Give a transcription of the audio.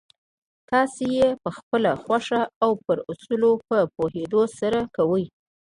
تاسې يې پخپله خوښه او پر اصولو په پوهېدو سره کوئ.